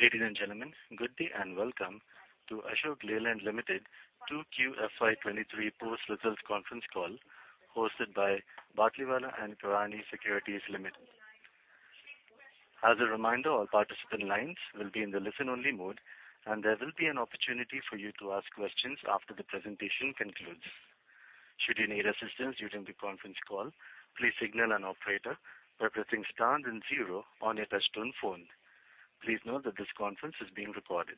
Ladies and gentlemen, good day and welcome to Ashok Leyland Limited 2Q FY 2023 post results conference call hosted by Batlivala & Karani Securities Limited. As a reminder, all participant lines will be in the listen-only mode, and there will be an opportunity for you to ask questions after the presentation concludes. Should you need assistance during the conference call, please signal an operator by pressing star then zero on your touchtone phone. Please note that this conference is being recorded.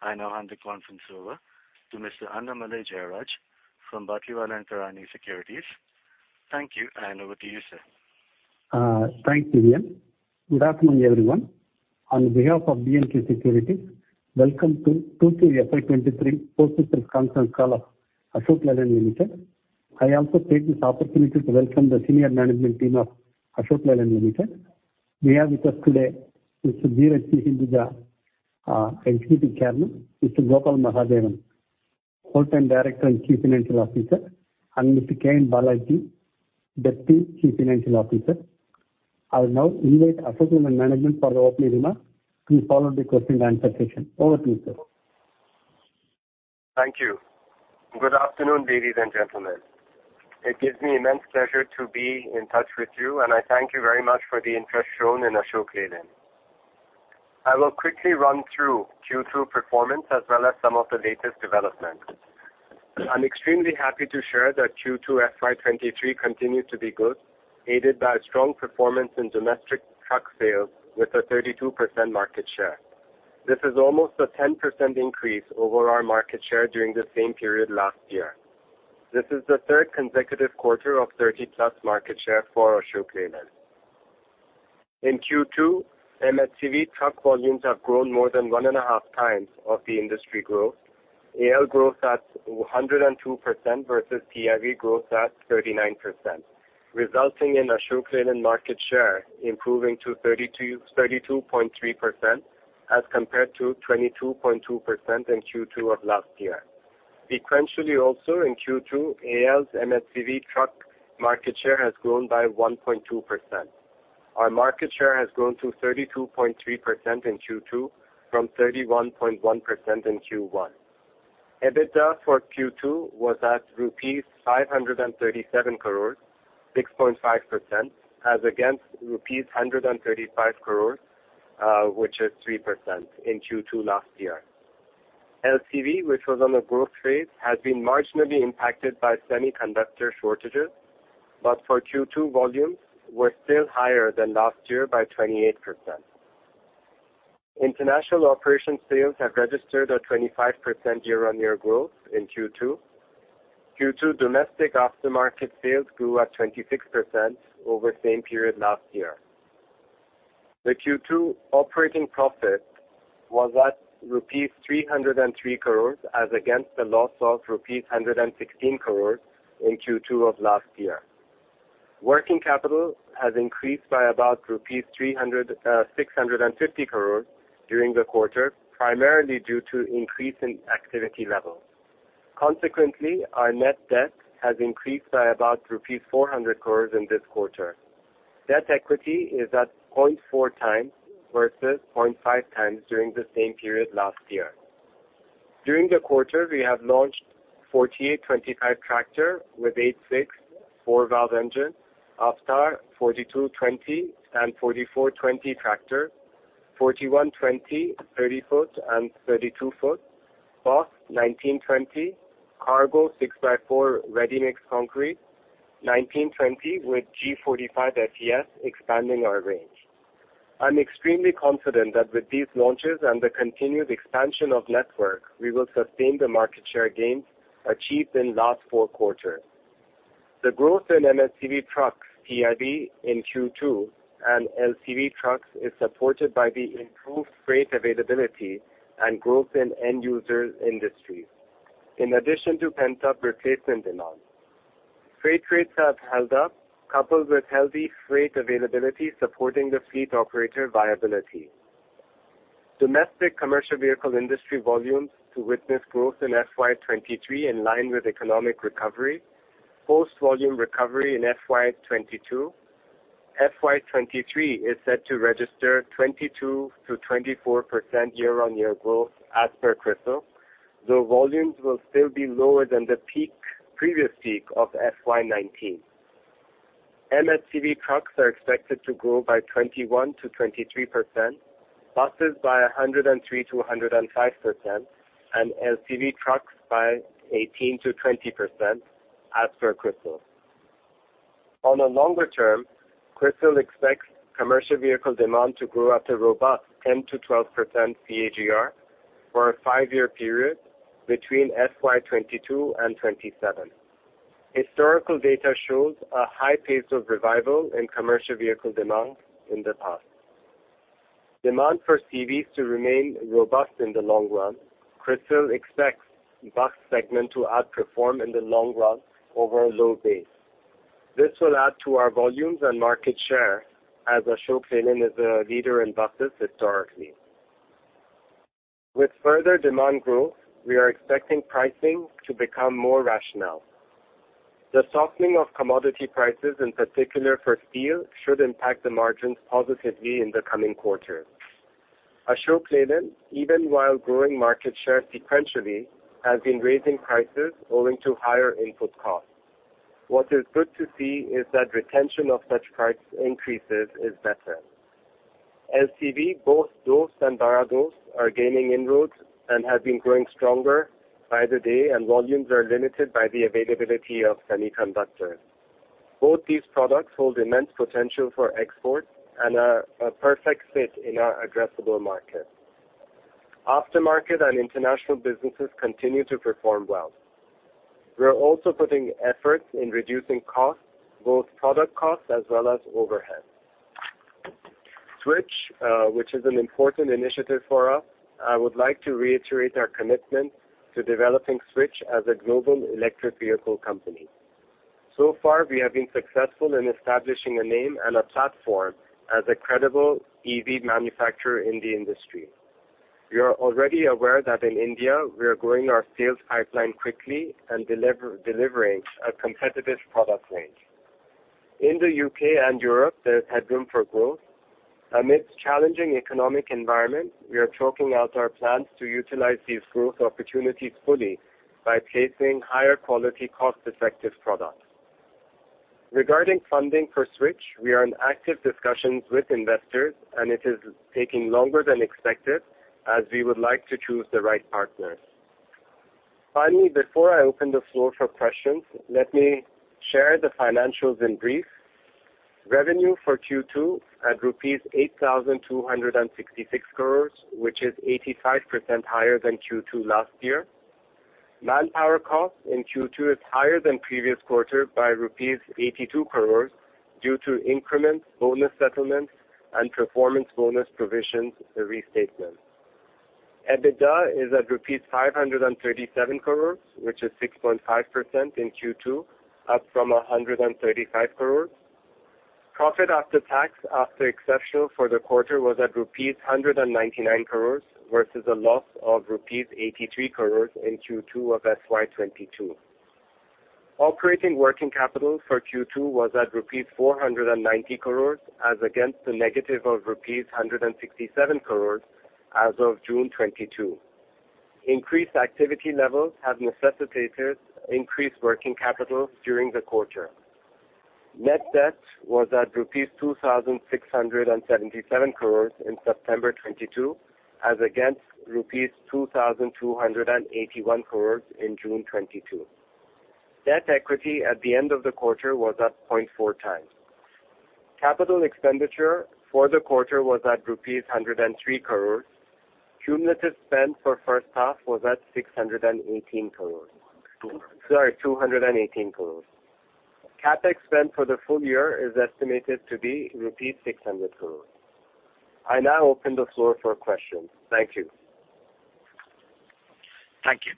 I now hand the conference over to Mr. Annamalai Jayaraj from Batlivala & Karani Securities. Thank you, and over to you, sir. Thanks, Vivian. Good afternoon, everyone. On behalf of B&K Securities, welcome to 2Q FY23 post results conference call of Ashok Leyland Limited. I also take this opportunity to welcome the senior management team of Ashok Leyland Limited. We have with us today Mr. Dheeraj G. Hinduja, executive chairman, Mr. Gopal Mahadevan, full-time Director and Chief Financial Officer, and Mr. K.M. Balaji, Deputy Chief Financial Officer. I will now invite Ashok Leyland management for the opening remarks to be followed the question and answer session. Over to you, sir. Thank you. Good afternoon, ladies and gentlemen. It gives me immense pleasure to be in touch with you, and I thank you very much for the interest shown in Ashok Leyland. I will quickly run through Q2 performance as well as some of the latest developments. I'm extremely happy to share that Q2 FY 2023 continued to be good, aided by strong performance in domestic truck sales with a 32% market share. This is almost a 10% increase over our market share during the same period last year. This is the third consecutive quarter of 30+ market share for Ashok Leyland. In Q2, M&HCV truck volumes have grown more than 1.5 times of the industry growth. AL growth at 102% versus TIV growth at 39%, resulting in Ashok Leyland market share improving to 32.3% as compared to 22.2% in Q2 of last year. Sequentially also in Q2, AL's M&HCV truck market share has grown by 1.2%. Our market share has grown to 32.3% in Q2 from 31.1% in Q1. EBITDA for Q2 was at rupees 537 crores, 6.5% as against rupees 135 crores, which is 3% in Q2 last year. LCV, which was on a growth phase, has been marginally impacted by semiconductor shortages, but for Q2, volumes were still higher than last year by 28%. International operation sales have registered a 25% year-on-year growth in Q2. Q2 domestic aftermarket sales grew at 26% over same period last year. The Q2 operating profit was at rupees 303 crore as against the loss of rupees 116 crore in Q2 of last year. Working capital has increased by about 300-650 crore rupees during the quarter, primarily due to increase in activity levels. Consequently, our net debt has increased by about rupees 400 crore in this quarter. Debt equity is at 0.4x versus 0.5x during the same period last year. During the quarter, we have launched uncertain, Ecomet STAR 42 20 and 44 20 tractor, 41 20 30-foot and 32-foot, Boss 1920, cargo 6x4 ready-mix concrete, 19 20 with G45 FS expanding our range. I'm extremely confident that with these launches and the continued expansion of network, we will sustain the market share gains achieved in last 4 quarters. The growth in M&HCV trucks TIV in Q2 and LCV trucks is supported by the improved freight availability and growth in end-user industries, in addition to pent-up replacement demand. Freight rates have held up, coupled with healthy freight availability supporting the fleet operator viability. Domestic commercial vehicle industry volumes to witness growth in FY 2023 in line with economic recovery. Post volume recovery in FY 2022. FY 2023 is set to register 22%-24% year-on-year growth as per CRISIL, though volumes will still be lower than the peak, previous peak of FY 2019. M&HCV trucks are expected to grow by 21%-23%, buses by 103%-105%, and LCV trucks by 18%-20% as per CRISIL. On a longer term, CRISIL expects commercial vehicle demand to grow at a robust 10%-12% CAGR for a five-year period between FY 2022 and 2027. Historical data shows a high pace of revival in commercial vehicle demand in the past. Demand for CVs to remain robust in the long run. CRISIL expects box segment to outperform in the long run over a low base. This will add to our volumes and market share as Ashok Leyland is a leader in buses historically. With further demand growth, we are expecting pricing to become more rational. The softening of commodity prices, in particular for steel, should impact the margins positively in the coming quarter. Ashok Leyland, even while growing market share sequentially, has been raising prices owing to higher input costs. What is good to see is that retention of such price increases is better. LCV, both Dost and Bada Dost are gaining inroads and have been growing stronger by the day, and volumes are limited by the availability of semiconductors. Both these products hold immense potential for export and are a perfect fit in our addressable market. Aftermarket and international businesses continue to perform well. We are also putting efforts in reducing costs, both product costs as well as overhead. Switch, which is an important initiative for us, I would like to reiterate our commitment to developing Switch as a global electric vehicle company. So far, we have been successful in establishing a name and a platform as a credible EV manufacturer in the industry. We are already aware that in India we are growing our sales pipeline quickly and delivering a competitive product range. In the UK and Europe, there's headroom for growth. Amidst challenging economic environment, we are chalking out our plans to utilize these growth opportunities fully by placing higher quality, cost-effective products. Regarding funding for Switch, we are in active discussions with investors, and it is taking longer than expected, as we would like to choose the right partners. Finally, before I open the floor for questions, let me share the financials in brief. Revenue for Q2 at rupees 8,266 crores, which is 85% higher than Q2 last year. Manpower costs in Q2 is higher than previous quarter by rupees 82 crores due to increments, bonus settlements, and performance bonus provisions, a restatement. EBITDA is at rupees 537 crores, which is 6.5% in Q2, up from 135 crores. Profit after tax after exceptional for the quarter was at rupees 199 crores versus a loss of rupees 83 crores in Q2 of FY 2022. Operating working capital for Q2 was at rupees 490 crores as against the negative of rupees 167 crores as of June 2022. Increased activity levels have necessitated increased working capital during the quarter. Net debt was at rupees 2,677 crore in September 2022, as against rupees 2,281 crore in June 2022. Debt equity at the end of the quarter was at 0.4 times. Capital expenditure for the quarter was at rupees 103 crore. Cumulative spend for first half was at 618 crore. 200. Sorry, 218 crores. CapEx spend for the full year is estimated to be rupees 600 crores. I now open the floor for questions. Thank you. Thank you.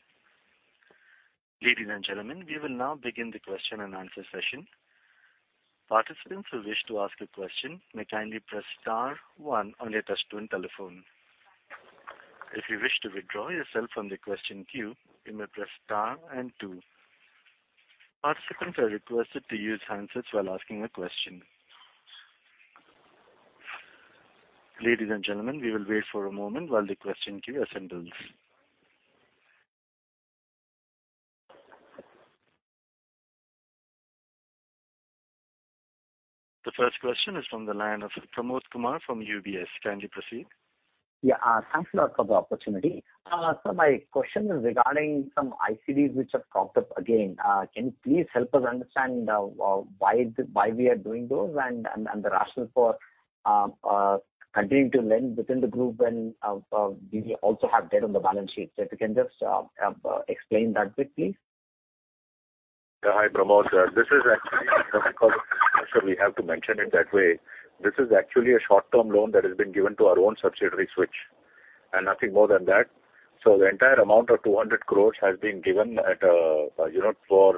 Ladies and gentlemen, we will now begin the question and answer session. Participants who wish to ask a question may kindly press star one on your touchtone telephone. If you wish to withdraw yourself from the question queue, you may press star and two. Participants are requested to use handsets while asking a question. Ladies and gentlemen, we will wait for a moment while the question queue assembles. The first question is from the line of Pramod Kumar from UBS. Kindly proceed. Yeah, thanks a lot for the opportunity. My question is regarding some ICDs which have popped up again. Can you please help us understand why we are doing those and the rationale for continuing to lend within the group when we also have debt on the balance sheet. If you can just explain that bit, please. Yeah. Hi, Pramod. This is actually because actually we have to mention it that way. This is actually a short-term loan that has been given to our own subsidiary Switch, and nothing more than that. The entire amount of 200 crore has been given, you know, for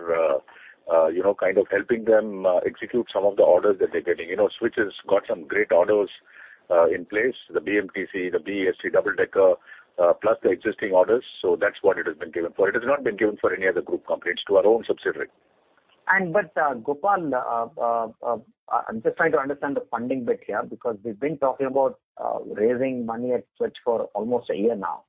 kind of helping them execute some of the orders that they're getting. You know, Switch has got some great orders in place, the BMTC, the BEST double-decker, plus the existing orders, that's what it has been given for. It has not been given for any other group companies. To our own subsidiary. Gopal, I'm just trying to understand the funding bit here because we've been talking about raising money at Switch for almost a year now.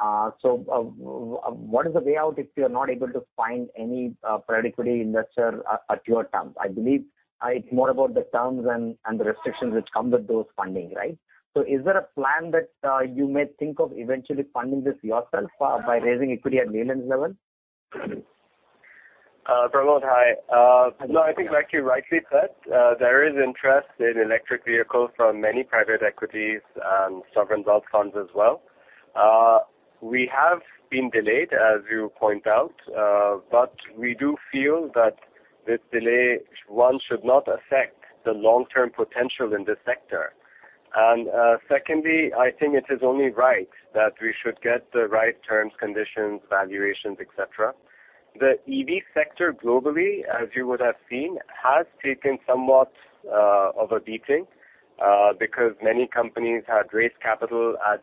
What is the way out if you're not able to find any private equity investor at your term? I believe it's more about the terms and the restrictions which come with those funding, right? Is there a plan that you may think of eventually funding this yourself by raising equity at Leyland's level? Pramod, hi. No, I think like you rightly said, there is interest in electric vehicles from many private equities and sovereign wealth funds as well. We have been delayed, as you point out, but we do feel that this delay, one, should not affect the long-term potential in this sector. Secondly, I think it is only right that we should get the right terms, conditions, valuations, et cetera. The EV sector globally, as you would have seen, has taken somewhat of a beating, because many companies had raised capital at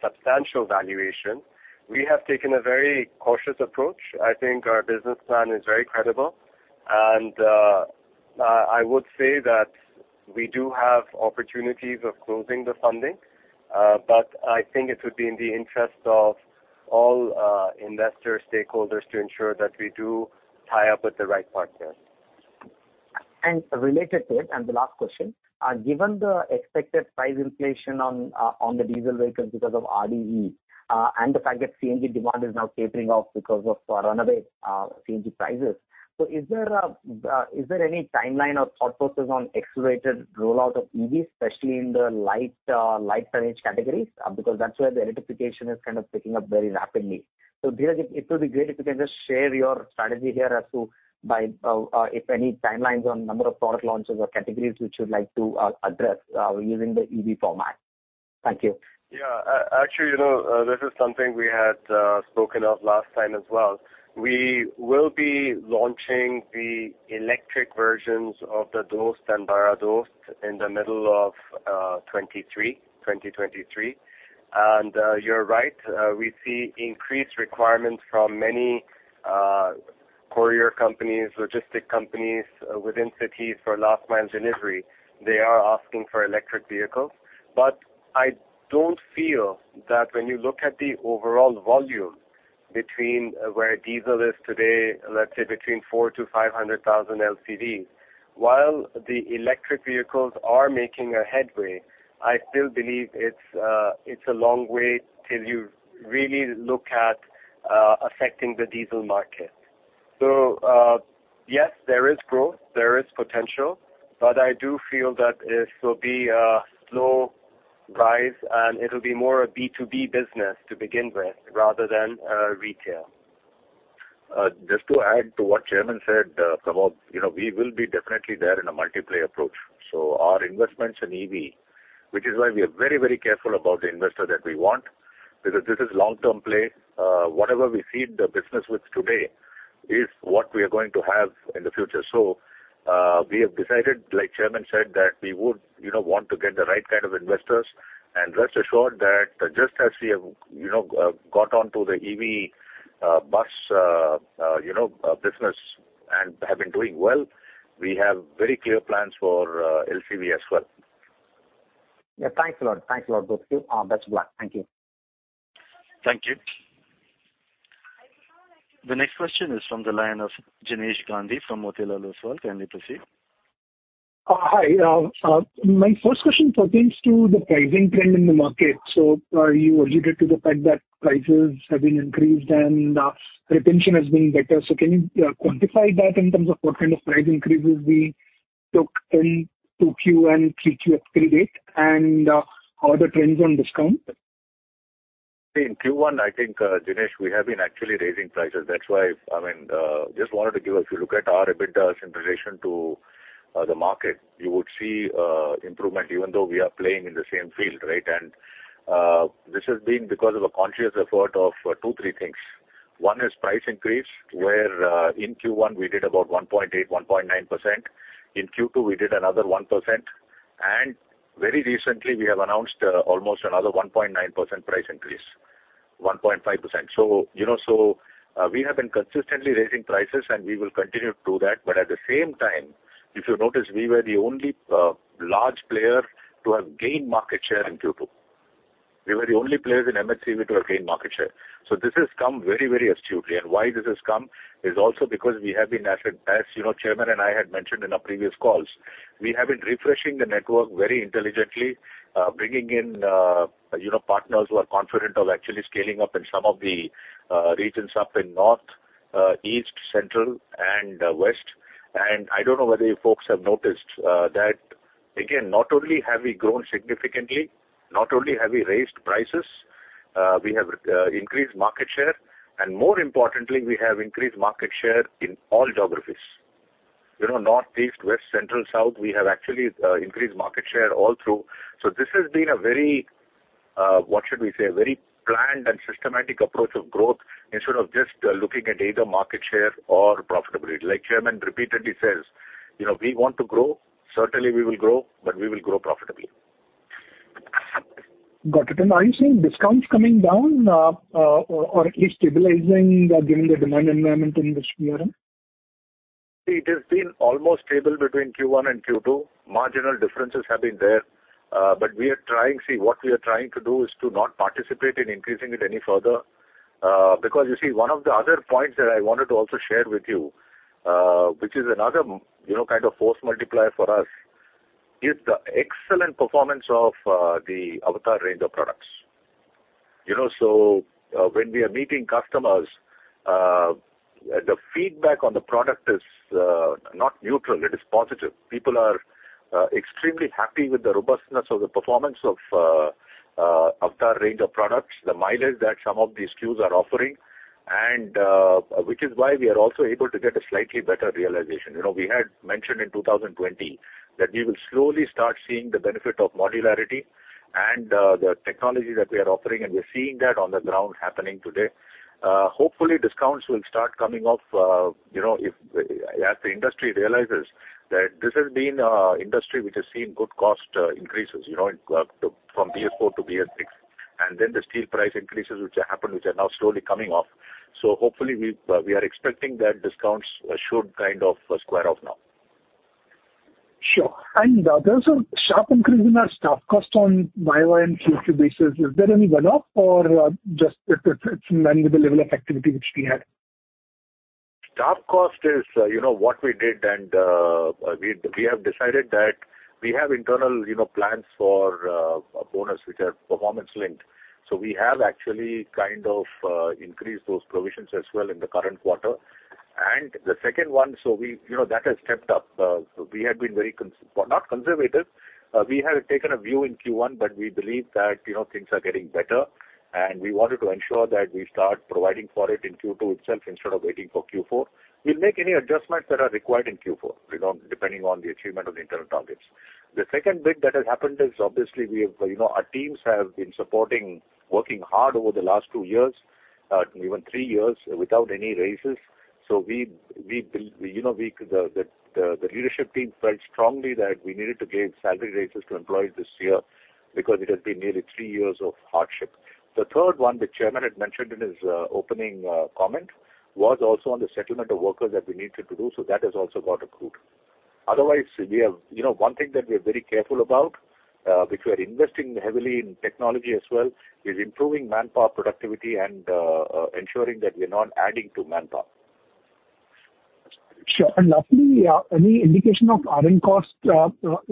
substantial valuation. We have taken a very cautious approach. I think our business plan is very credible. I would say that we do have opportunities of closing the funding, but I think it would be in the interest of all investor stakeholders to ensure that we do tie up with the right partners. Related to it, and the last question, given the expected price inflation on on the diesel vehicles because of RDE, and the fact that CNG demand is now tapering off because of runaway CNG prices, so is there is there any timeline or thought process on accelerated rollout of EVs, especially in the light light tonnage categories? Because that's where the electrification is kind of picking up very rapidly. Dheeraj, it it will be great if you can just share your strategy here as to by if any timelines on number of product launches or categories which you'd like to address using the EV format. Thank you. Yeah. Actually, you know, this is something we had spoken of last time as well. We will be launching the electric versions of the Dost and Bada Dost in the middle of 2023. You're right, we see increased requirements from many courier companies, logistic companies within cities for last mile delivery. They are asking for electric vehicles. I don't feel that when you look at the overall volume between where diesel is today, let's say between 400,000-500,000 LCVs, while the electric vehicles are making a headway, I still believe it's a long way till you really look at affecting the diesel market. Yes, there is growth, there is potential, but I do feel that it will be a slow rise, and it'll be more a B2B business to begin with rather than retail. Just to add to what chairman said, Pramod, you know, we will be definitely there in a multi-player approach. Our investments in EV, which is why we are very, very careful about the investor that we want because this is long-term play. Whatever we feed the business with today is what we are going to have in the future. We have decided, like chairman said, that we would, you know, want to get the right kind of investors. Rest assured that just as we have, you know, got onto the EV bus business and have been doing well, we have very clear plans for LCV as well. Yeah. Thanks a lot. Thanks a lot, both of you. Best of luck. Thank you. Thank you. The next question is from the line of Jinesh Gandhi from Motilal Oswal. Kindly proceed. Hi. My first question pertains to the pricing trend in the market. You alluded to the fact that prices have been increased and retention has been better. Can you quantify that in terms of what kind of price increases we took in 2Q and 3Q at period and how are the trends on discount? In Q1, I think, Jinesh, we have been actually raising prices. That's why, I mean, just wanted to give, if you look at our EBITDA in relation to, the market, you would see, improvement even though we are playing in the same field, right? This has been because of a conscious effort of, two, three things. One is price increase, where, in Q1 we did about 1.9%. In Q2 we did another 1%. Very recently we have announced, almost another 1.9% price increase, 1.5%. So, you know, we have been consistently raising prices, and we will continue to do that. At the same time, if you notice, we were the only, large player to have gained market share in Q2. We were the only players in LCV to have gained market share. This has come very, very astutely. Why this has come is also because we have been, as you know, chairman and I had mentioned in our previous calls, we have been refreshing the network very intelligently, bringing in, you know, partners who are confident of actually scaling up in some of the regions up in North, East, Central and West. I don't know whether you folks have noticed, that again, not only have we grown significantly, not only have we raised prices, we have increased market share, and more importantly, we have increased market share in all geographies. You know, North, East, West, Central, South, we have actually increased market share all through. This has been a very, what should we say, very planned and systematic approach of growth instead of just, looking at either market share or profitability. Like Chairman repeatedly says, you know, we want to grow, certainly we will grow, but we will grow profitably. Got it. Are you seeing discounts coming down, or at least stabilizing, given the demand environment in which we are in? It has been almost stable between Q1 and Q2. Marginal differences have been there. But we are trying. See, what we are trying to do is to not participate in increasing it any further. Because you see, one of the other points that I wanted to also share with you, which is another, you know, kind of force multiplier for us, is the excellent performance of the AVTR range of products. You know, so, when we are meeting customers, the feedback on the product is not neutral, it is positive. People are extremely happy with the robustness of the performance of the AVTR range of products. The mileage that some of these SKUs are offering, which is why we are also able to get a slightly better realization. You know, we had mentioned in 2020 that we will slowly start seeing the benefit of modularity and the technology that we are offering, and we're seeing that on the ground happening today. Hopefully discounts will start coming off, you know, if, as the industry realizes that this has been industry which has seen good cost increases, you know, it from BS4 to BS6. Then the steel price increases which happened, which are now slowly coming off. Hopefully we are expecting that discounts should kind of square off now. Sure. There's a sharp increase in our staff cost on Y-o-Y and Q2 basis. Is there any one-off or just it's manageable level of activity which we had? Staff cost is, you know, what we did and we have decided that we have internal, you know, plans for a bonus which are performance linked. We have actually kind of increased those provisions as well in the current quarter. The second one, you know, that has stepped up. We had been very, well, not conservative. We had taken a view in Q1, but we believe that, you know, things are getting better and we wanted to ensure that we start providing for it in Q2 itself instead of waiting for Q4. We'll make any adjustments that are required in Q4, you know, depending on the achievement of the internal targets. The second bit that has happened is, obviously, we have, you know, our teams have been supporting, working hard over the last two years, even three years without any raises. We, you know, the leadership team felt strongly that we needed to give salary raises to employees this year because it has been nearly three years of hardship. The third one, the chairman had mentioned in his opening comment, was also on the settlement of workers that we needed to do, so that has also got approved. Otherwise, we have, you know, one thing that we are very careful about, which we are investing heavily in technology as well, is improving manpower productivity and ensuring that we are not adding to manpower. Sure. Lastly, any indication of RM costs,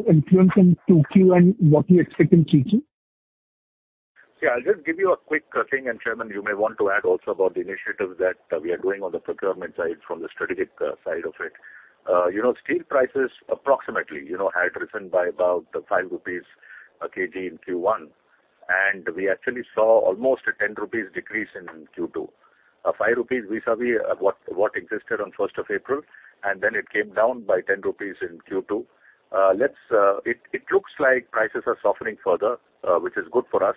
influence in 2Q and what you expect in Q3? Yeah. I'll just give you a quick thing, and chairman, you may want to add also about the initiatives that we are doing on the procurement side from the strategic side of it. You know, steel prices approximately had risen by about 5 rupees/kg in Q1. We actually saw almost a 10 rupees decrease in Q2. 5 rupees vis-à-vis what existed on first of April, and then it came down by 10 rupees in Q2. It looks like prices are softening further, which is good for us.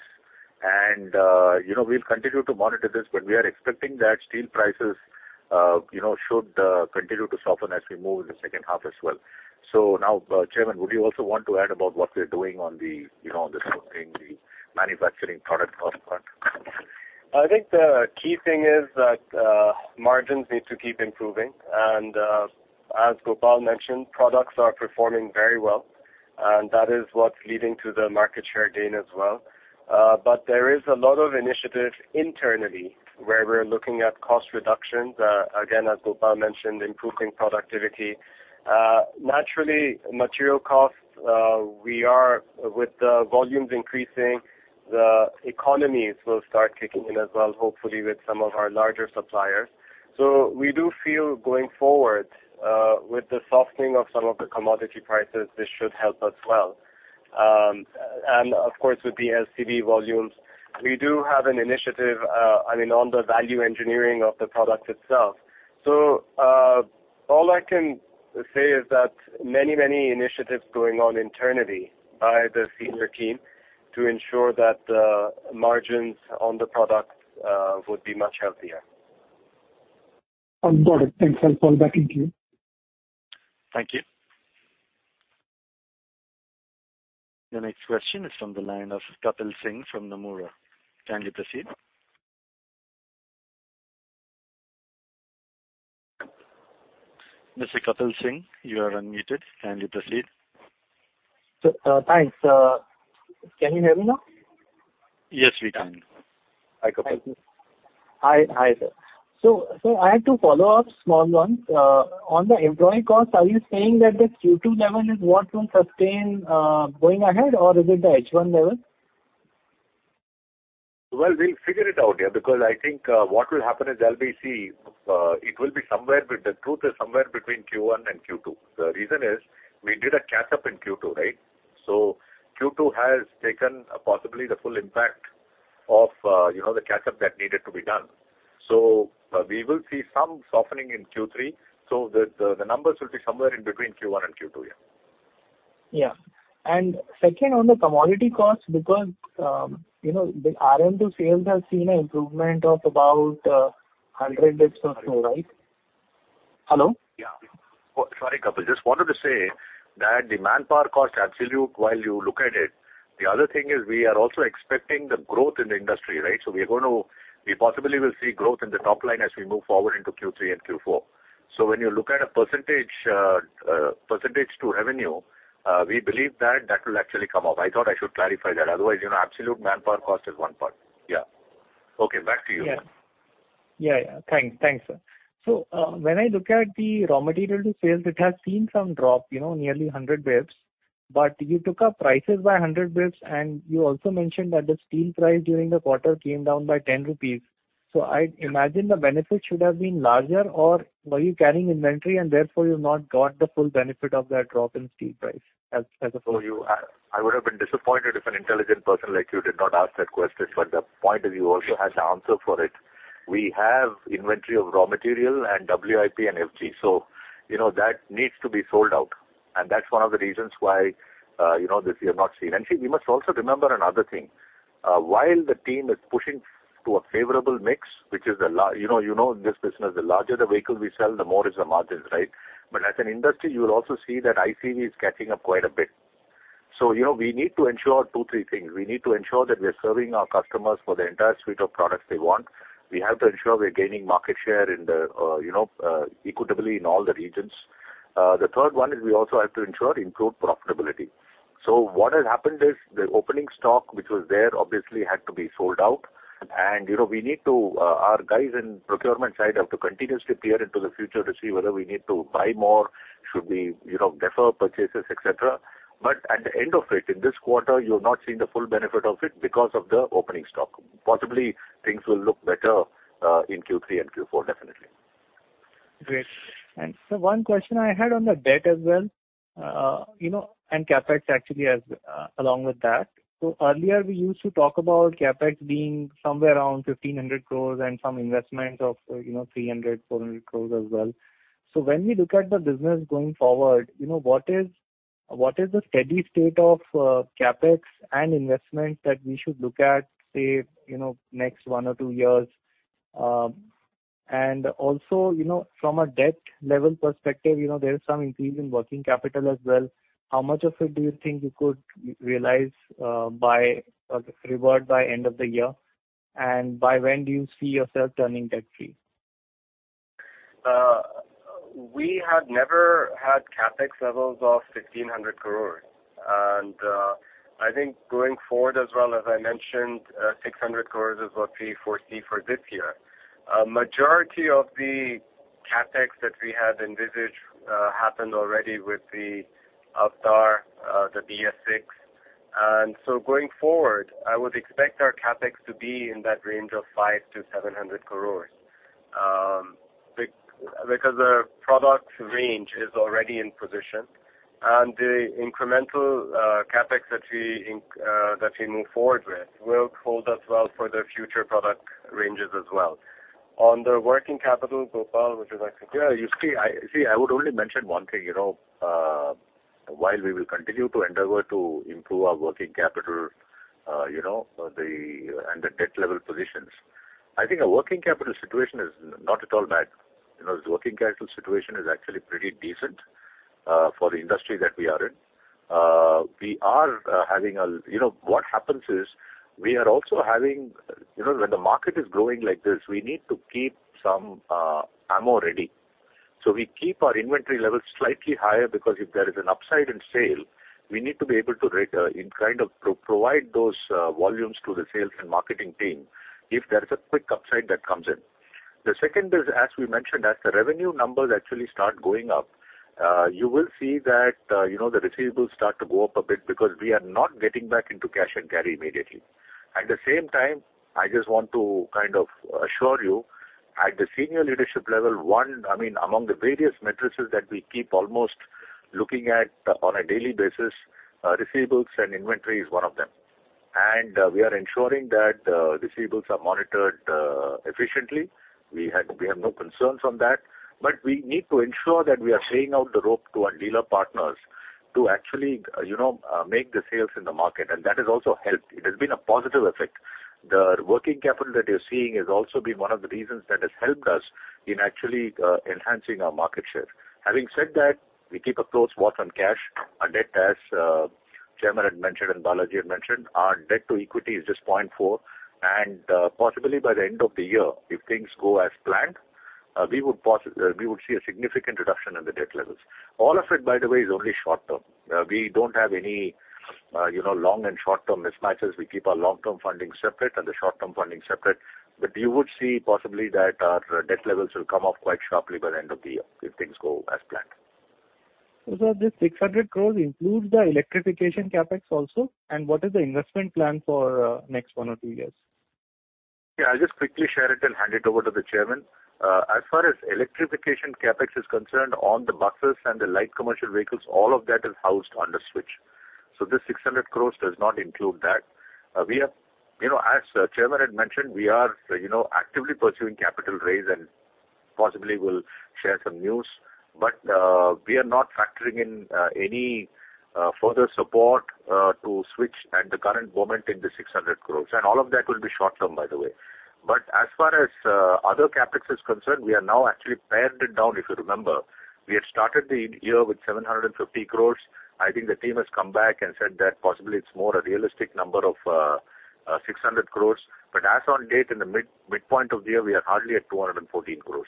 You know, we'll continue to monitor this, but we are expecting that steel prices should continue to soften as we move in the second half as well. Now, Chairman, would you also want to add about what we're doing on the, you know, on the softening the manufacturing product cost part? I think the key thing is that, margins need to keep improving. As Gopal mentioned, products are performing very well, and that is what's leading to the market share gain as well. There is a lot of initiatives internally where we're looking at cost reductions, again, as Gopal mentioned, improving productivity. Naturally material costs, we are with the volumes increasing, the economies will start kicking in as well, hopefully with some of our larger suppliers. We do feel going forward, with the softening of some of the commodity prices, this should help us well. Of course with the LCV volumes, we do have an initiative, I mean, on the value engineering of the product itself. All I can say is that many, many initiatives going on internally by the senior team to ensure that the margins on the products would be much healthier. I've got it. Thanks. I'll fall back into you. Thank you. The next question is from the line of Kapil Singh from Nomura. Can you proceed? Mr. Kapil Singh, you are unmuted. Can you proceed? Thanks. Can you hear me now? Yes, we can. Hi, Kapil. Hi. Hi, sir. I had to follow up small one. On the employee cost, are you saying that the Q2 level is what will sustain, going ahead, or is it the H1 level? Well, we'll figure it out, yeah. Because I think what will happen is the truth is somewhere between Q1 and Q2. The reason is we did a catch-up in Q2, right? So Q2 has taken possibly the full impact of, you know, the catch-up that needed to be done. So we will see some softening in Q3, so the numbers will be somewhere in between Q1 and Q2, yeah. Yeah. Second, on the commodity costs, because, you know, the RM to sales has seen a improvement of about 100 basis points or so, right? Hello? Yeah. Sorry, Kapil. Just wanted to say that the manpower cost absolute while you look at it. The other thing is we are also expecting the growth in the industry, right? We possibly will see growth in the top line as we move forward into Q3 and Q4. When you look at a percentage to revenue, we believe that will actually come up. I thought I should clarify that. Otherwise, you know, absolute manpower cost is one part. Yeah. Okay, back to you. Yeah. Thanks, sir. When I look at the raw material to sales, it has seen some drop, you know, nearly 100 basis points. But you took up prices by 100 basis points, and you also mentioned that the steel price during the quarter came down by 10 rupees. I'd imagine the benefit should have been larger, or were you carrying inventory and therefore you've not got the full benefit of that drop in steel price as of now? I would have been disappointed if an intelligent person like you did not ask that question, but the point is you also had the answer for it. We have inventory of raw material and WIP and FG. You know, that needs to be sold out, and that's one of the reasons why, you know, this we have not seen. See, we must also remember another thing. While the team is pushing to a favorable mix, which is the la. You know, in this business, the larger the vehicle we sell, the more is the margins, right? But as an industry, you will also see that ICV is catching up quite a bit. You know, we need to ensure two, three things. We need to ensure that we are serving our customers for the entire suite of products they want. We have to ensure we are gaining market share in the, you know, equitably in all the regions. The third one is we also have to ensure improved profitability. What has happened is the opening stock, which was there, obviously had to be sold out. You know, we need to, our guys in procurement side have to continuously peer into the future to see whether we need to buy more, should we, you know, defer purchases, et cetera. At the end of it, in this quarter, you're not seeing the full benefit of it because of the opening stock. Possibly things will look better, in Q3 and Q4, definitely. Great. One question I had on the debt as well, you know, and CapEx actually as along with that. Earlier we used to talk about CapEx being somewhere around 1,500 crore and some investment of, you know, 300-400 crore as well. When we look at the business going forward, you know, what is the steady state of CapEx and investment that we should look at, say, you know, next one or two years? Also, you know, from a debt level perspective, you know, there's some increase in working capital as well. How much of it do you think you could realize by year-end? By when do you see yourself turning debt-free? We have never had CapEx levels of 1,500 crore. I think going forward as well, as I mentioned, 600 crore is what we foresee for this year. Majority of the CapEx that we had envisaged happened already with the AVTR, the BS6. Going forward, I would expect our CapEx to be in that range of 500-700 crore. Because the product range is already in position and the incremental CapEx that we move forward with will hold us well for the future product ranges as well. On the working capital Gopal, would you like to- Yeah, you see. See, I would only mention one thing, you know. While we will continue to endeavor to improve our working capital, you know, and the debt level positions, I think our working capital situation is not at all bad. You know, the working capital situation is actually pretty decent for the industry that we are in. You know, what happens is, when the market is growing like this, we need to keep some ammo ready. We keep our inventory levels slightly higher because if there is an upside in sales, we need to be able to provide those volumes to the sales and marketing team if there is a quick upside that comes in. The second is, as we mentioned, as the revenue numbers actually start going up, you will see that, you know, the receivables start to go up a bit because we are not getting back into cash and carry immediately. At the same time, I just want to kind of assure you, at the senior leadership level, one, I mean, among the various metrics that we keep almost looking at on a daily basis, receivables and inventory is one of them. We are ensuring that receivables are monitored efficiently. We have no concerns on that. We need to ensure that we are giving out the rope to our dealer partners to actually, you know, make the sales in the market, and that has also helped. It has been a positive effect. The working capital that you're seeing has also been one of the reasons that has helped us in actually enhancing our market share. Having said that, we keep a close watch on cash. Our debt, as Chairman had mentioned and Balaji had mentioned, our debt-to-equity is just 0.4. Possibly by the end of the year, if things go as planned, we would see a significant reduction in the debt levels. All of it, by the way, is only short-term. We don't have any, you know, long- and short-term mismatches. We keep our long-term funding separate and the short-term funding separate. You would see possibly that our debt levels will come down quite sharply by the end of the year if things go as planned. Sir, this 600 crore includes the electrification CapEx also? What is the investment plan for next one or two years? I'll just quickly share it and hand it over to the chairman. As far as electrification CapEx is concerned, on the buses and the light commercial vehicles, all of that is housed under Switch. This 600 crore does not include that. You know, as chairman had mentioned, we are, you know, actively pursuing capital raise and possibly will share some news. We are not factoring in any further support to Switch at the current moment in the 600 crore. All of that will be short-term, by the way. As far as other CapEx is concerned, we are now actually pared it down, if you remember. We had started the year with 750 crore. I think the team has come back and said that possibly it's more a realistic number of 600 crore. But as on date, in the midpoint of the year, we are hardly at 214 crore.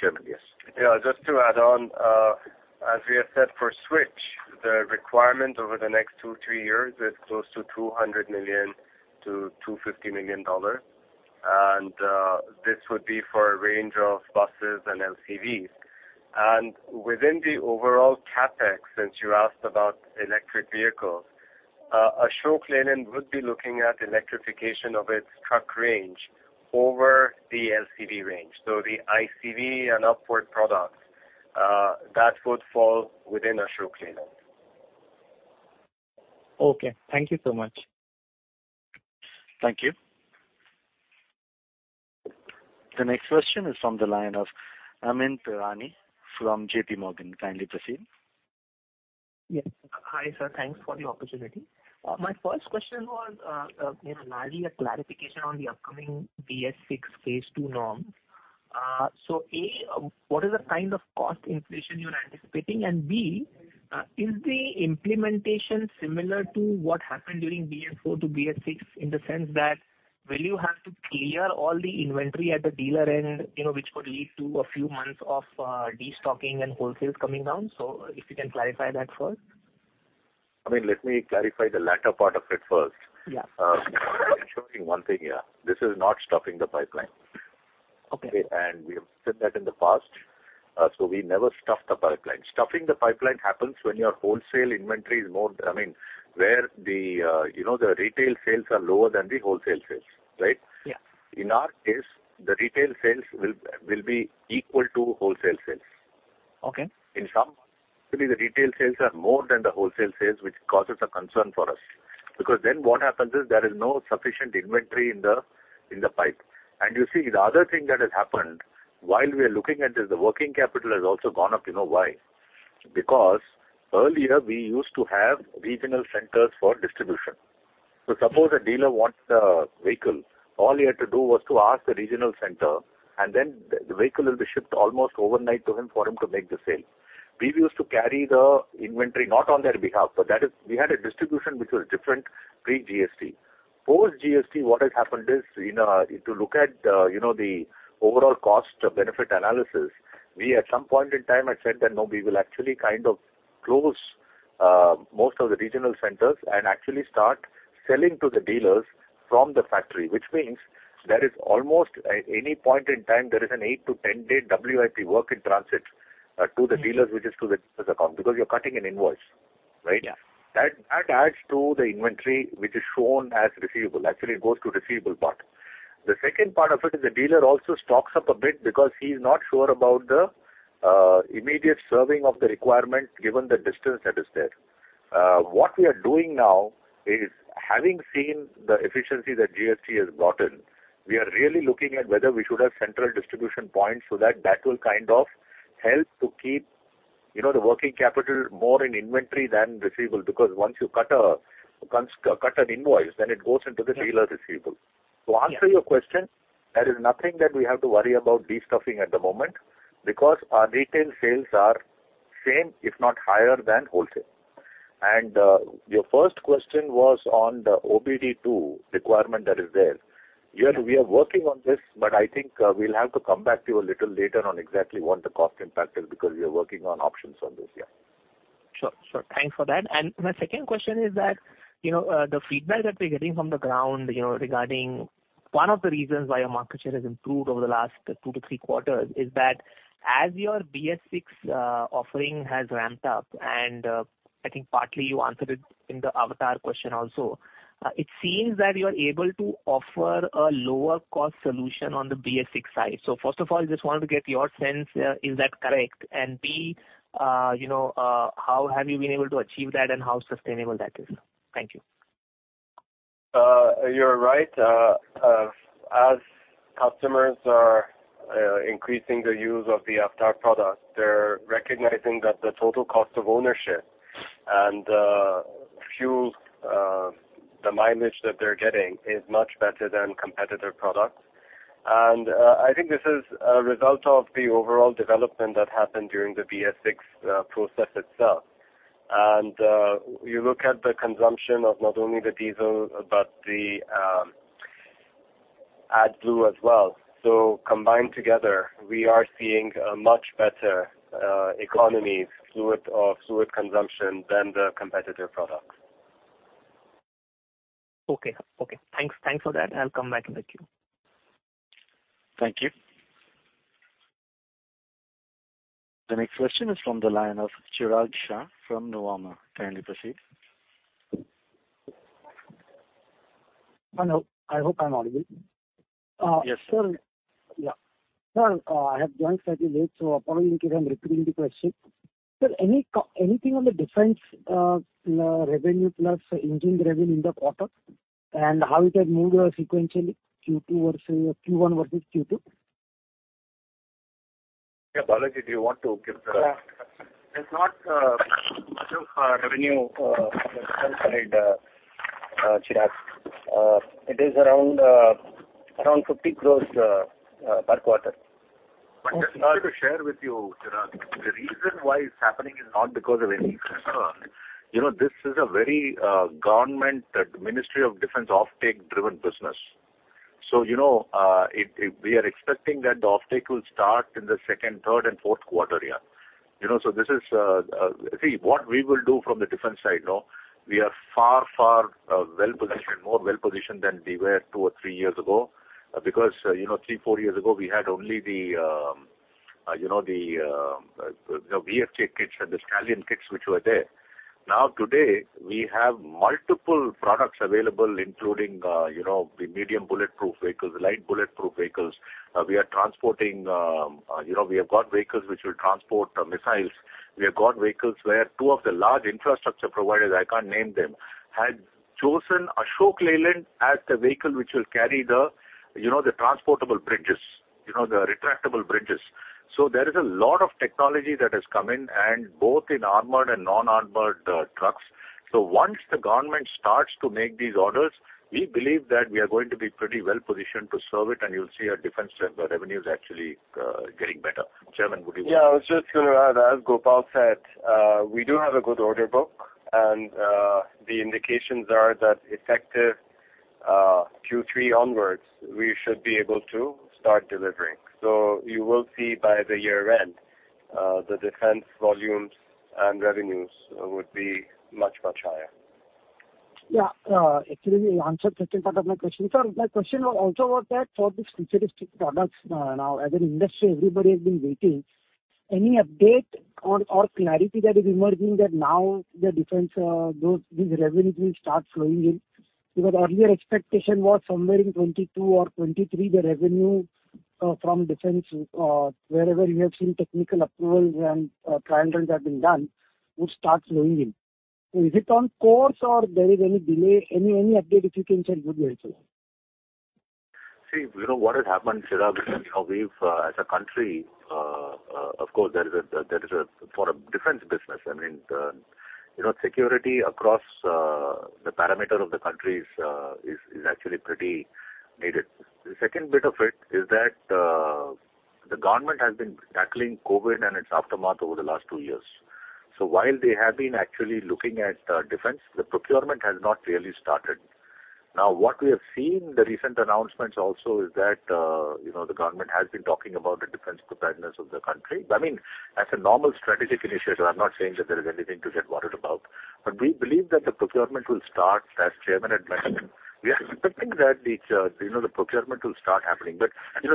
Chairman, yes. Yeah, just to add on, as we have said for Switch, the requirement over the next 2-3 years is close to $200 million-$250 million. This would be for a range of buses and LCVs. Within the overall CapEx, since you asked about electric vehicles, Ashok Leyland would be looking at electrification of its truck range over the LCV range. The ICV and upward products, that would fall within Ashok Leyland. Okay. Thank you so much. Thank you. The next question is from the line of Amyn Pirani from J.P. Morgan. Kindly proceed. Yes. Hi, sir. Thanks for the opportunity. My first question was mainly a clarification on the upcoming BS6 Phase Two norms. So A, what is the kind of cost inflation you're anticipating? And B, is the implementation similar to what happened during BS4 to BS6 in the sense that will you have to clear all the inventory at the dealer end, you know, which could lead to a few months of destocking and wholesales coming down? If you can clarify that first. Amyn, let me clarify the latter part of it first. Yeah. Ensuring one thing, yeah. This is not stuffing the pipeline. Okay. We have said that in the past, so we never stuff the pipeline. Stuffing the pipeline happens when your wholesale inventory is more, I mean, where the, you know, the retail sales are lower than the wholesale sales, right? Yeah. In our case, the retail sales will be equal to wholesale sales. Okay. In some, maybe the retail sales are more than the wholesale sales, which causes a concern for us. Because then what happens is there is no sufficient inventory in the pipeline. You see, the other thing that has happened, while we are looking at this, the working capital has also gone up. You know why? Because earlier, we used to have regional centers for distribution. Suppose a dealer wants the vehicle, all he had to do was to ask the regional center, and then the vehicle will be shipped almost overnight to him for him to make the sale. We used to carry the inventory not on their behalf, but that is we had a distribution which was different pre-GST. Post-GST, what has happened is in, if you look at, you know, the overall cost-benefit analysis, we at some point in time had said that, "No, we will actually kind of close most of the regional centers and actually start selling to the dealers from the factory." Which means there is almost, at any point in time, there is an 8-10-day WIP, work-in-transit, to the dealers, which is to the account, because you're cutting an invoice, right? Yeah. That adds to the inventory which is shown as receivable. Actually, it goes to receivable part. The second part of it is the dealer also stocks up a bit because he's not sure about the immediate serving of the requirement given the distance that is there. What we are doing now is having seen the efficiency that GST has gotten, we are really looking at whether we should have central distribution points so that that will kind of help to keep, you know, the working capital more in inventory than receivable. Because once you cut an invoice, then it goes into the dealer receivable. Yeah. To answer your question, there is nothing that we have to worry about destuffing at the moment because our retail sales are same, if not higher than wholesale. Your first question was on the OBD2 requirement that is there. Here, we are working on this, but I think, we'll have to come back to you a little later on exactly what the cost impact is because we are working on options on this. Yeah. Sure. Sure. Thanks for that. My second question is that, you know, the feedback that we're getting from the ground, you know, regarding one of the reasons why your market share has improved over the last 2-3 quarters is that as your BS6 offering has ramped up, and I think partly you answered it in the AVTR question also, it seems that you're able to offer a lower cost solution on the BS6 side. First of all, I just wanted to get your sense, is that correct? B, you know, how have you been able to achieve that and how sustainable that is? Thank you. You're right. As customers are increasing the use of the AVTR product, they're recognizing that the total cost of ownership and fuel mileage that they're getting is much better than competitor products. I think this is a result of the overall development that happened during the BS6 process itself. You look at the consumption of not only the diesel but the AdBlue as well. Combined together, we are seeing a much better economy, fluid consumption than the competitor products. Okay. Thanks for that. I'll come back in the queue. Thank you. The next question is from the line of Chirag Shah from Nomura. Kindly proceed. Hello. I hope I'm audible. Yes. Sir. Yeah. Sir, I have joined slightly late, so apologize if I'm repeating the question. Sir, anything on the defense revenue plus engine revenue in the quarter? And how it has moved sequentially Q2 versus Q1 versus Q2? Yeah. Balaji, do you want to give the Yeah. There's not much of a revenue on the defense side, Chirag. It is around 50 crores per quarter. Just to share with you, Chirag, the reason why it's happening is not because of any. You know, this is a very government Ministry of Defence offtake-driven business. You know, we are expecting that the offtake will start in the second, third, and fourth quarter, yeah. You know, this is, see what we will do from the defense side, no? We are far more well-positioned than we were two or three years ago. Because, you know, three, four years ago, we had only the VFK kits and the Stallion kits which were there. Now, today, we have multiple products available, including, you know, the medium bulletproof vehicles, light bulletproof vehicles. We are transporting, you know, we have got vehicles which will transport missiles. We have got vehicles where two of the large infrastructure providers, I can't name them, had chosen Ashok Leyland as the vehicle which will carry the, you know, the transportable bridges. You know, the retractable bridges. So there is a lot of technology that has come in, and both in armored and non-armored trucks. So once the government starts to make these orders, we believe that we are going to be pretty well-positioned to serve it, and you'll see our defense revenues actually getting better. Chairman, would you- Yeah, I was just gonna add, as Gopal said, we do have a good order book, and the indications are that effective Q3 onwards, we should be able to start delivering. You will see by the year end, the defense volumes and revenues would be much, much higher. Yeah, actually, you answered second part of my question. My question also was that for the futuristic products now, as an industry, everybody has been waiting. Any update or clarity that is emerging that now the defense, those, these revenues will start flowing in? Because earlier expectation was somewhere in 2022 or 2023, the revenue from defense, wherever you have seen technical approvals and trials that have been done would start flowing in. Is it on course or there is any delay? Any update if you can share would be helpful. See, you know, what has happened, Chirag Shah, you know, we've as a country, of course, for a defense business, I mean, you know, security across the perimeter of the country is actually pretty needed. The second bit of it is that the government has been tackling COVID and its aftermath over the last two years. While they have been actually looking at defense, the procurement has not really started. Now, what we have seen, the recent announcements also is that the government has been talking about the defense preparedness of the country. I mean, as a normal strategic initiative, I'm not saying that there is anything to get worried about. We believe that the procurement will start, as Chairman had mentioned. We are expecting that it's the procurement will start happening.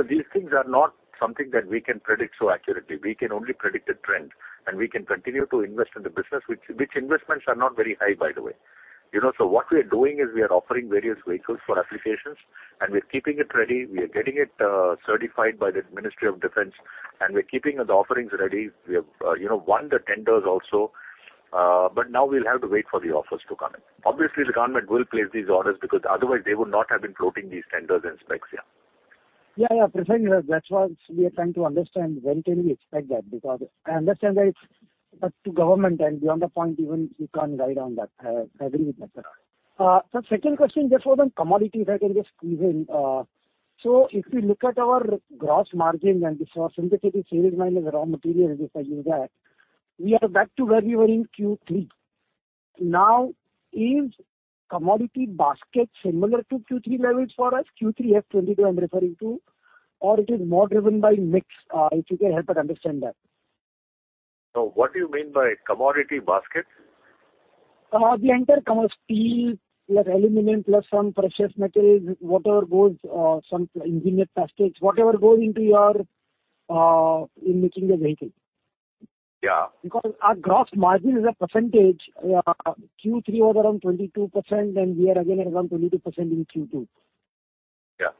These things are not something that we can predict so accurately. We can only predict a trend, and we can continue to invest in the business, which investments are not very high, by the way. What we are doing is we are offering various vehicles for applications, and we're keeping it ready. We are getting it certified by the Ministry of Defence, and we're keeping the offerings ready. We have won the tenders also. Now we'll have to wait for the offers to come in. Obviously, the government will place these orders because otherwise they would not have been floating these tenders and specs. Yeah, yeah, Gopal Mahadevan, that's what we are trying to understand. When can we expect that? Because I understand that it's up to government, and beyond that point even we can't ride on that. I agree with that, sir. Sir, second question, just on commodities, I can just squeeze in. So if we look at our gross margin and this was net sales minus raw material, just like you said, we are back to where we were in Q3. Now, is commodity basket similar to Q3 levels for us? Q3 FY 2022, I'm referring to. Or it is more driven by mix? If you can help us understand that. What do you mean by commodity basket? The entire commerce. Steel plus aluminum, plus some precious metals, whatever goes, some engineered plastics, whatever goes in making the vehicle. Yeah. Because our gross margin as a percentage, Q3 was around 22%, and we are again around 22% in Q2. Yeah.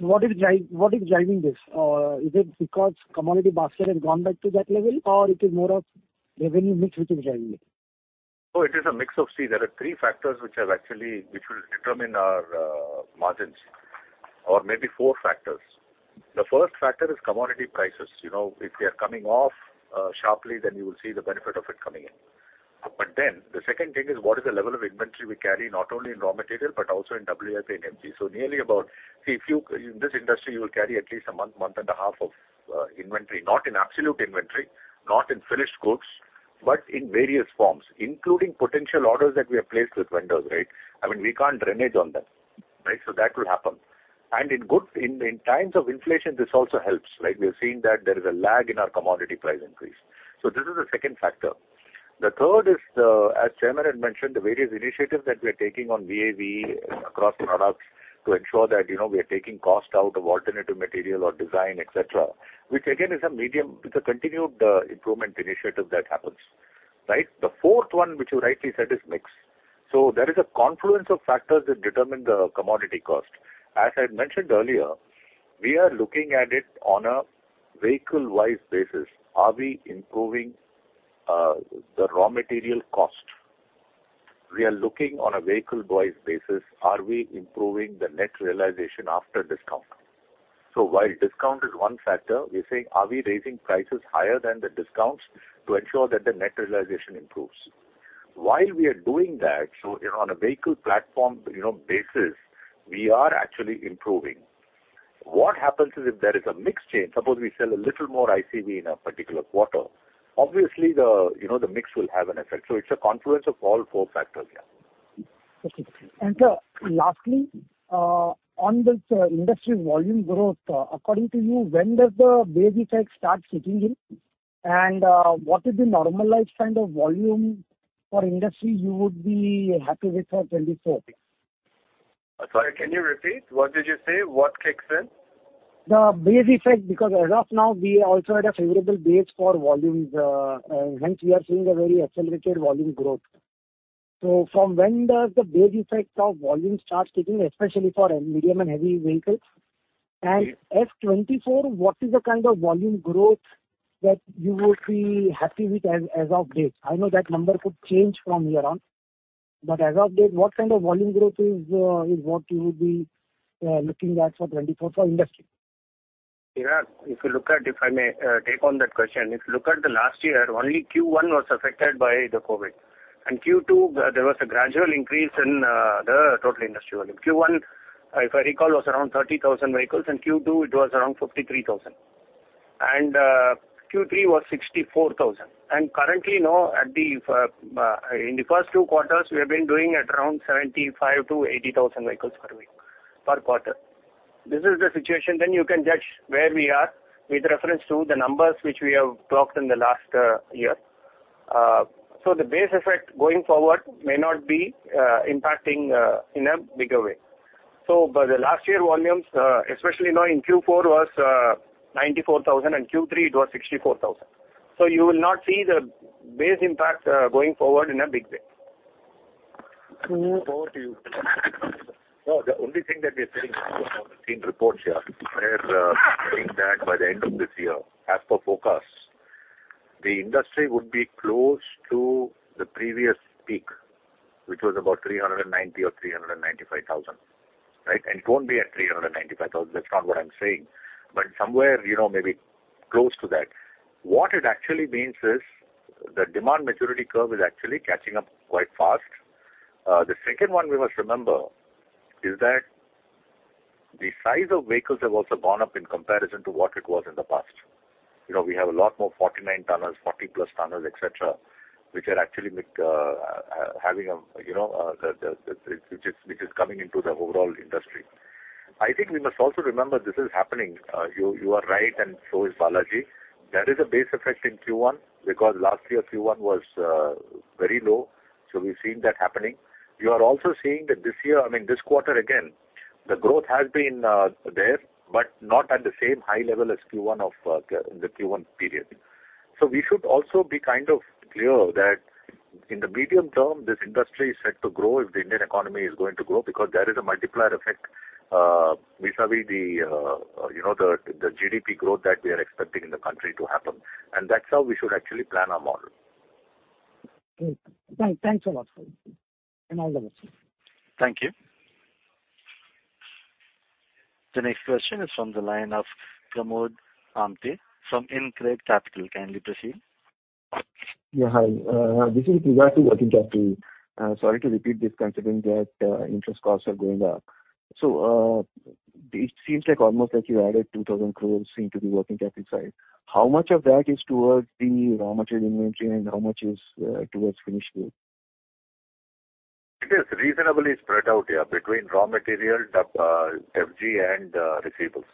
What is driving this? Is it because commodity basket has gone back to that level or it is more of revenue mix which is driving it? It is a mix of. See, there are three factors which will determine our margins, or maybe four factors. The first factor is commodity prices. You know, if they are coming off sharply, then you will see the benefit of it coming in. The second thing is what is the level of inventory we carry, not only in raw material, but also in WIP and FG. Nearly about. See, if you, in this industry, you will carry at least a month and a half of inventory. Not in absolute inventory, not in finished goods, but in various forms, including potential orders that we have placed with vendors, right? I mean, we can't renegotiate on that, right? So that will happen. In times of inflation, this also helps, right? We have seen that there is a lag in our commodity price increase. This is the second factor. The third is the, as chairman had mentioned, the various initiatives that we are taking on VAVE across products to ensure that, you know, we are taking cost out of alternative material or design, et cetera, which again is a medium, it's a continued, improvement initiative that happens, right? The fourth one, which you rightly said, is mix. There is a confluence of factors that determine the commodity cost. As I mentioned earlier, we are looking at it on a vehicle-wise basis. Are we improving the raw material cost? We are looking on a vehicle-wise basis, are we improving the net realization after discount? While discount is one factor, we're saying, are we raising prices higher than the discounts to ensure that the net realization improves? While we are doing that, you know, on a vehicle platform, you know, basis, we are actually improving. What happens is if there is a mix change, suppose we sell a little more ICV in a particular quarter, obviously the, you know, the mix will have an effect. It's a confluence of all four factors, yeah. Okay. Lastly, on this industry volume growth, according to you, when does the base effect start kicking in? What is the normalized kind of volume for industry you would be happy with for 2024? Sorry, can you repeat? What did you say? What kicks in? The base effect, because as of now we also had a favorable base for volumes, hence we are seeing a very accelerated volume growth. From when does the base effect of volume start kicking, especially for medium and heavy vehicles? As 2024, what is the kind of volume growth that you would be happy with as of date? I know that number could change from here on, but as of date, what kind of volume growth is what you would be looking at for 2024 for industry? Yeah. If you look at, if I may, take on that question. If you look at the last year, only Q1 was affected by the COVID. In Q2, there was a gradual increase in the total industry volume. Q1, if I recall, was around 30,000 vehicles, and Q2 it was around 53,000. Q3 was 64,000. Currently, in the first two quarters we have been doing around 75,000-80,000 vehicles per week, per quarter. This is the situation. You can judge where we are with reference to the numbers which we have talked in the last year. The base effect going forward may not be impacting in a bigger way. By the last year volumes, especially now in Q4 was 94,000 and Q3 it was 64,000. You will not see the base impact, going forward in a big way. Over to you. No, the only thing that we are saying in reports here, we are saying that by the end of this year, as per forecast, the industry would be close to the previous peak, which was about 390 or 395 thousand. Right? It won't be at 395 thousand. That's not what I'm saying. Somewhere, you know, maybe close to that. What it actually means is the demand maturity curve is actually catching up quite fast. The second one we must remember is that the size of vehicles have also gone up in comparison to what it was in the past. You know, we have a lot more 49 tonners, 40-plus tonners, et cetera, which are actually coming into the overall industry. I think we must also remember this is happening. You are right, and so is Balaji. There is a base effect in Q1 because last year Q1 was very low. We've seen that happening. You are also seeing that this year, I mean, this quarter again, the growth has been there, but not at the same high level as Q1 of the Q1 period. We should also be kind of clear that in the medium term this industry is set to grow if the Indian economy is going to grow because there is a multiplier effect vis-à-vis the, you know, the GDP growth that we are expecting in the country to happen. That's how we should actually plan our model. Great. Thanks a lot from all of us. Thank you. The next question is from the line of Pramod Amte from InCred Capital. Kindly proceed. Yeah, hi. This is related to working capital. Sorry to repeat this considering that interest costs are going up. It seems like almost like you added 2,000 crore into the working capital side. How much of that is towards the raw material inventory and how much is towards finished goods? It is reasonably spread out, yeah, between raw material, FG and receivables.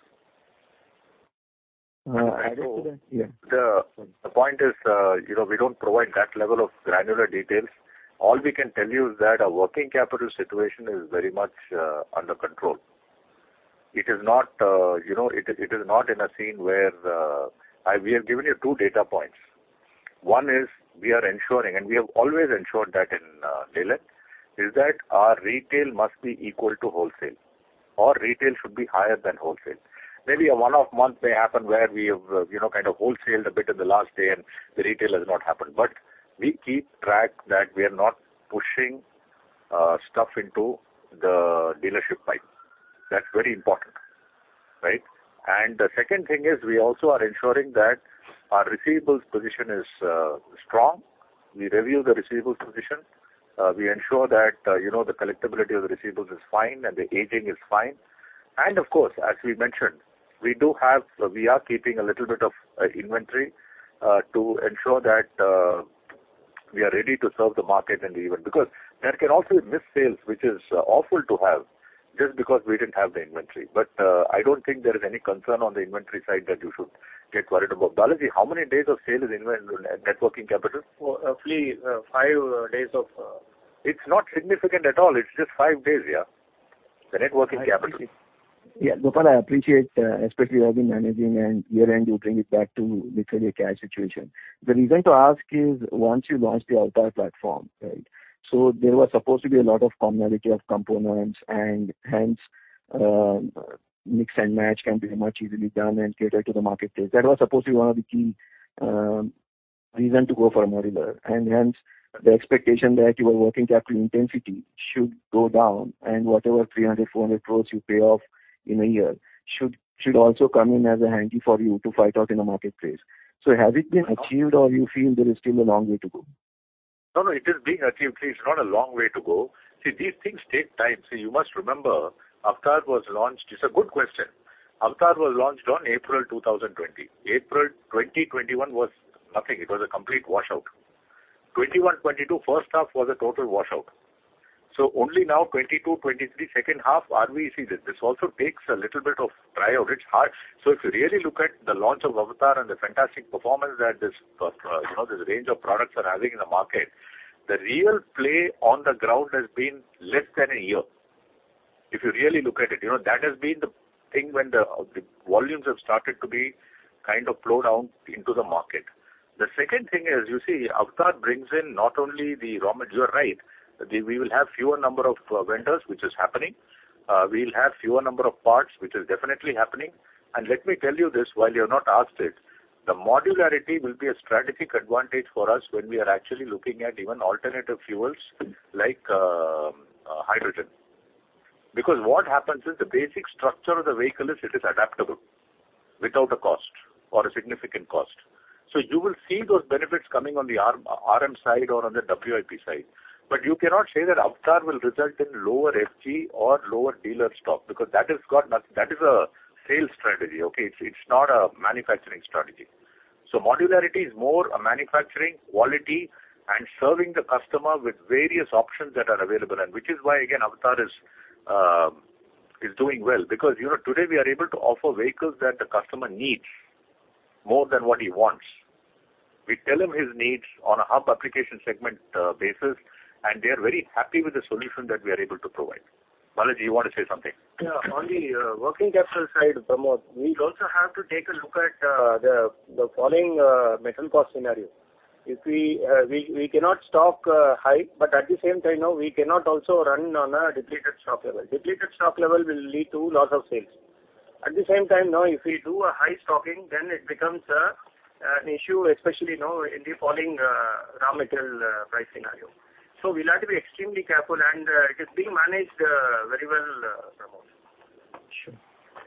Added to that, yeah. The point is, you know, we don't provide that level of granular details. All we can tell you is that our working capital situation is very much under control. It is not, you know, in a sense where we have given you two data points. One is we are ensuring, and we have always ensured, that in Delhi our retail must be equal to wholesale, or retail should be higher than wholesale. Maybe a one-off month may happen where we have, you know, kind of wholesaled a bit in the last day and the retail has not happened. We keep track that we are not pushing stuff into the dealership pipeline. That's very important. Right? The second thing is we also are ensuring that our receivables position is strong. We review the receivables position. We ensure that, you know, the collectibility of the receivables is fine and the aging is fine. Of course, as we mentioned, we do have, we are keeping a little bit of inventory to ensure that we are ready to serve the market and even because there can also be missed sales, which is awful to have just because we didn't have the inventory. I don't think there is any concern on the inventory side that you should get worried about. Balaji, how many days of sale is in net-net working capital? Roughly five days of. It's not significant at all. It's just five days, yeah. The net working capital. Yeah. Gopal, I appreciate especially you have been managing and year-end you bring it back to literally a cash situation. The reason to ask is once you launch the AVTR platform, right, so there was supposed to be a lot of commonality of components and hence mix and match can be much easily done and cater to the marketplace. That was supposed to be one of the key reason to go for a modular. Hence the expectation that your working capital intensity should go down and whatever 300-400 crore you pay off in a year should also come in handy for you to fight out in the marketplace. Has it been achieved or you feel there is still a long way to go? No, no, it is being achieved. It's not a long way to go. See, these things take time. You must remember AVTR was launched. It's a good question. AVTR was launched on April 2020. April 2021 was nothing. It was a complete washout. 2022 first half was a total washout. Only now, 2022, 2023 second half are we seeing this. This also takes a little bit of trial and error. If you really look at the launch of AVTR and the fantastic performance that this, you know, this range of products are having in the market, the real play on the ground has been less than a year. If you really look at it, you know, that has been the thing when the volumes have started to be kind of flow down into the market. The second thing is, you see, AVTR brings in not only the raw materials, you are right. We will have fewer number of vendors, which is happening. We'll have fewer number of parts, which is definitely happening. Let me tell you this while you have not asked it, the modularity will be a strategic advantage for us when we are actually looking at even alternative fuels like hydrogen. Because what happens is the basic structure of the vehicle is. It is adaptable without a cost or a significant cost. You will see those benefits coming on the RM side or on the WIP side. You cannot say that AVTR will result in lower SG or lower dealer stock because that has got nothing. That is a sales strategy, okay? It's not a manufacturing strategy. Modularity is more a manufacturing quality and serving the customer with various options that are available. Which is why, again, AVTR is doing well, because, you know, today we are able to offer vehicles that the customer needs more than what he wants. We tell him his needs on a hub application segment basis, and they are very happy with the solution that we are able to provide. Balaji, you want to say something? Yeah. On the working capital side, Pramod, we also have to take a look at the following metal cost scenario. If we cannot stock high, but at the same time, you know, we cannot also run on a depleted stock level. Depleted stock level will lead to loss of sales. At the same time, you know, if we do a high stocking, then it becomes an issue, especially, you know, in the following raw material price scenario. We'll have to be extremely careful, and it is being managed very well, Pramod. Sure.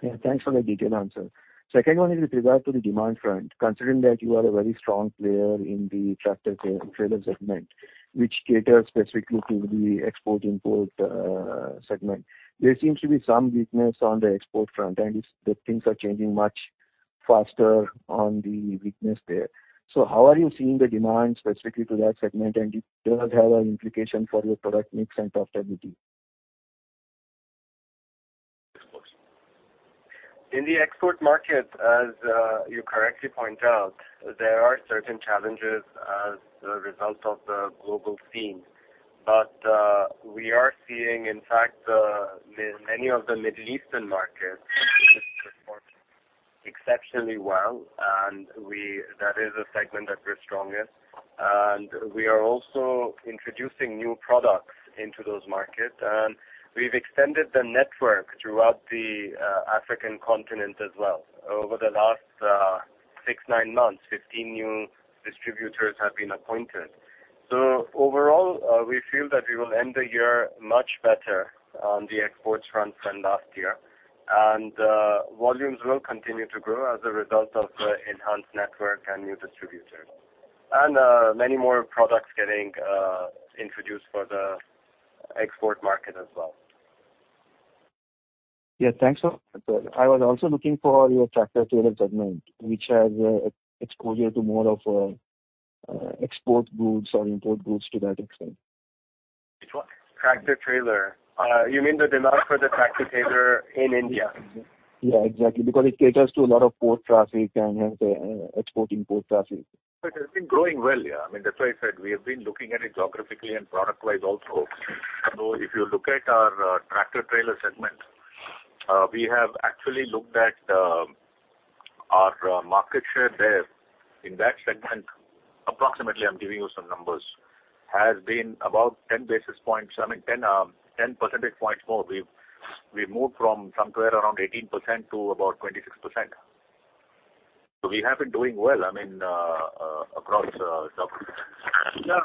Yeah, thanks for the detailed answer. Second one is with regard to the demand front. Considering that you are a very strong player in the tractor trailer segment, which caters specifically to the export-import segment. There seems to be some weakness on the export front, and the things are changing much faster on the weakness there. How are you seeing the demand specifically to that segment? And does it have an implication for your product mix and profitability? Export. In the export market, as you correctly point out, there are certain challenges as a result of the global theme. We are seeing, in fact, many of the Middle Eastern markets perform exceptionally well, and that is a segment that we're strongest. We are also introducing new products into those markets, and we've extended the network throughout the African continent as well. Over the last 6-9 months, 15 new distributors have been appointed. Overall, we feel that we will end the year much better on the export front than last year. Volumes will continue to grow as a result of the enhanced network and new distributors, and many more products getting introduced for the export market as well. Yeah. Thanks. I was also looking for your tractor-trailer segment, which has exposure to more of export goods or import goods to that extent. Which one? Tractor-trailer. You mean the demand for the tractor-trailer in India? Yeah, exactly. Because it caters to a lot of port traffic and export-import traffic. It has been growing well. Yeah. I mean, that's why I said we have been looking at it geographically and product wise also. If you look at our tractor-trailer segment, we have actually looked at our market share there. In that segment, approximately, I'm giving you some numbers, has been about 10 basis points. I mean, 10 percentage points more. We've moved from somewhere around 18% to about 26%. We have been doing well, I mean, across segments. Yeah.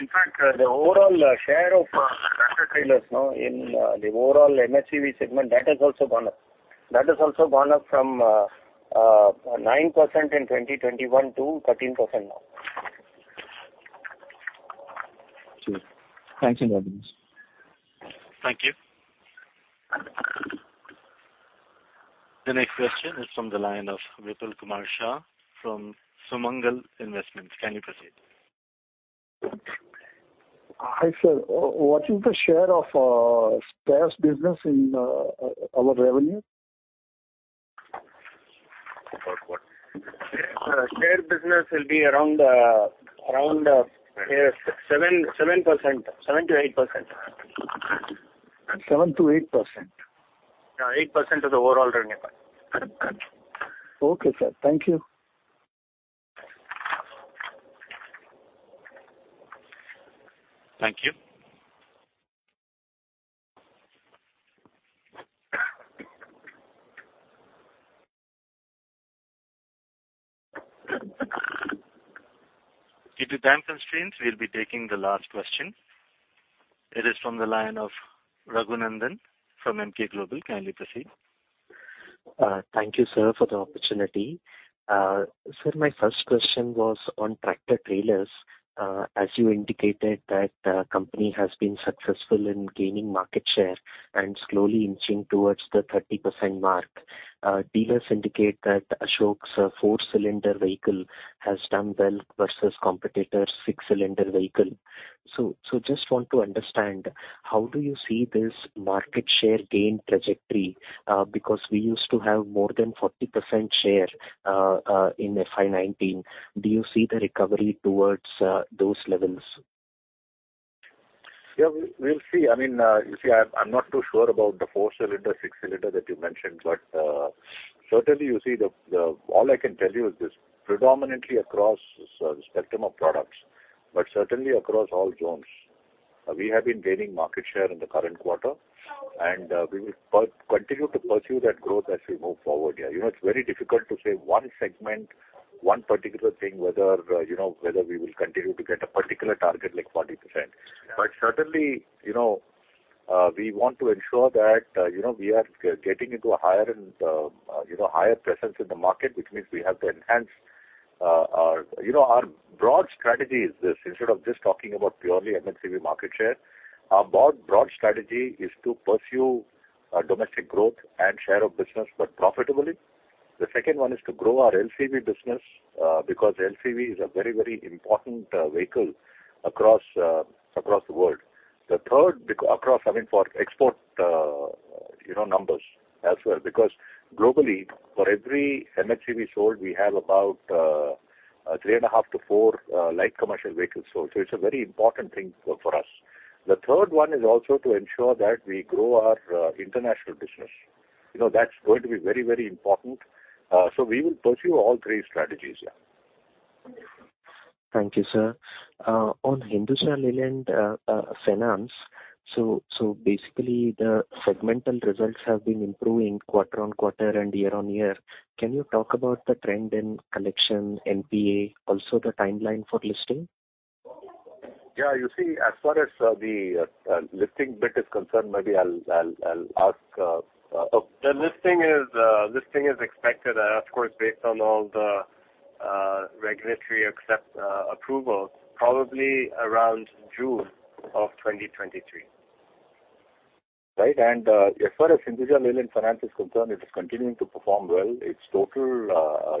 In fact, the overall share of tractor-trailers, you know, in the overall MHCV segment, that has also gone up from 9% in 2021 to 13% now. Sure. Thanks a lot. Thank you. The next question is from the line of Vipul Kumar Shah from Sumangal Investments. Kindly proceed. Hi, sir. What is the share of spares business in our revenue? About what? Share business will be around 7%. 7%-8%. 7%-8%. Yeah, 8% of the overall revenue. Okay, sir. Thank you. Thank you. Due to time constraints, we'll be taking the last question. It is from the line of Raghunandhan N.L. from Emkay Global. Kindly proceed. Thank you, sir, for the opportunity. Sir, my first question was on tractor-trailers. As you indicated that the company has been successful in gaining market share and slowly inching towards the 30% mark. Dealers indicate that Ashok's four-cylinder vehicle has done well versus competitors' six-cylinder vehicle. Just want to understand, how do you see this market share gain trajectory? Because we used to have more than 40% share in FY 2019. Do you see the recovery towards those levels? Yeah, we'll see. I mean, you see, I'm not too sure about the four-cylinder, six-cylinder that you mentioned, but certainly, all I can tell you is this, predominantly across spectrum of products, but certainly across all zones, we have been gaining market share in the current quarter, and we will continue to pursue that growth as we move forward, yeah. You know, it's very difficult to say one segment, one particular thing, whether we will continue to get a particular target like 40%. Certainly, you know, we want to ensure that we are getting into a higher and higher presence in the market, which means we have to enhance our broad strategy. You know, our broad strategy is this. Instead of just talking about purely M&HCV market share, our broad strategy is to pursue domestic growth and share of business, but profitably. The second one is to grow our LCV business because LCV is a very, very important vehicle across the world. The third across, I mean, for export, you know, numbers as well, because globally, for every M&HCV sold, we have about 3.5-4 light commercial vehicles sold. So it's a very important thing for us. The third one is also to ensure that we grow our international business. You know, that's going to be very, very important. So we will pursue all three strategies, yeah. Thank you, sir. On Hinduja Leyland Finance, so basically the segmental results have been improving quarter-on-quarter and year-on-year. Can you talk about the trend in collection NPA, also the timeline for listing? Yeah. You see, as far as the listing bit is concerned, maybe I'll ask. The listing is expected, of course, based on all the regulatory approvals, probably around June of 2023. Right. As far as Hinduja Leyland Finance is concerned, it is continuing to perform well. Its total,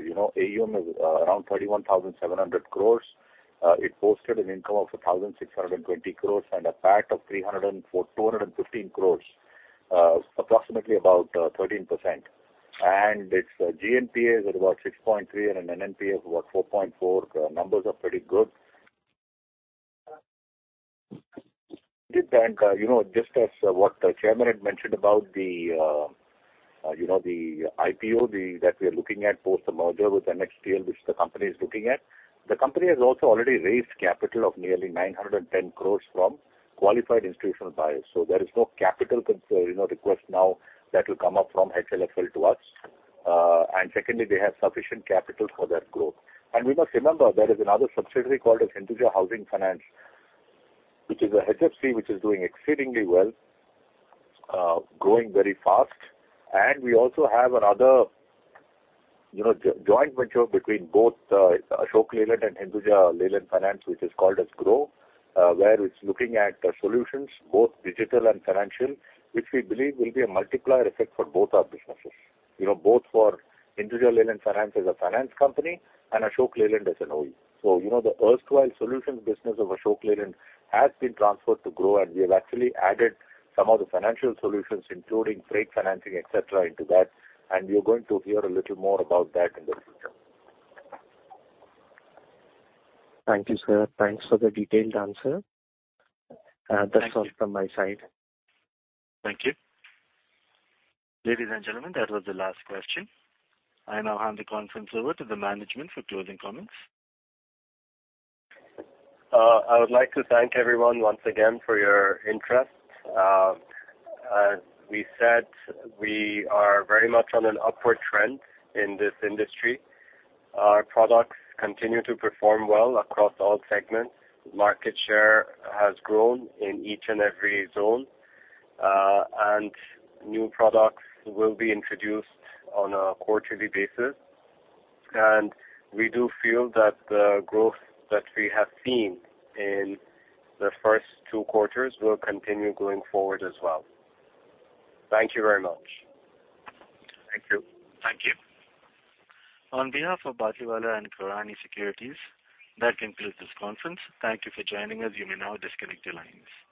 you know, AUM is around 31,700 crore. It posted an income of 1,620 crore and a PAT of 215 crore, approximately about 13%. Its GNPA is about 6.3% and an NNPA of about 4.4%. Numbers are pretty good. You know, just as what the chairman had mentioned about the, you know, the IPO, the, that we are looking at post the merger with NXTDigital, which the company is looking at. The company has also already raised capital of nearly 910 crore from qualified institutional buyers. There is no capital concern or request now that will come up from HLF to us. Secondly, they have sufficient capital for that growth. We must remember there is another subsidiary called Hinduja Housing Finance, which is a HFC, which is doing exceedingly well, growing very fast. We also have another joint venture between both Ashok Leyland and Hinduja Leyland Finance, which is called as Gro, where it's looking at solutions, both digital and financial, which we believe will be a multiplier effect for both our businesses. Both for Hinduja Leyland Finance as a finance company and Ashok Leyland as an OE. you know, the erstwhile solutions business of Ashok Leyland has been transferred to Gro, and we have actually added some of the financial solutions, including freight financing, et cetera, into that, and you're going to hear a little more about that in the future. Thank you, sir. Thanks for the detailed answer. Thank you. That's all from my side. Thank you. Ladies and gentlemen, that was the last question. I now hand the conference over to the management for closing comments. I would like to thank everyone once again for your interest. As we said, we are very much on an upward trend in this industry. Our products continue to perform well across all segments. Market share has grown in each and every zone. New products will be introduced on a quarterly basis. We do feel that the growth that we have seen in the first two quarters will continue going forward as well. Thank you very much. Thank you. Thank you. On behalf of Batlivala & Karani Securities, that concludes this conference. Thank you for joining us. You may now disconnect your lines.